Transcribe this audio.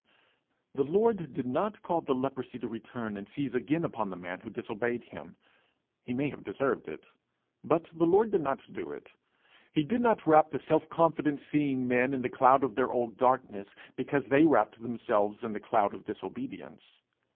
The Lord did not call the leprosy to return and seize again upon the man who disobeyed him. He may have deserved it, but the Lord did not do it. He did not wrap the self confident seeing men in the cloud of their old darkness because they wrapped themselves in the cloud of disobedience.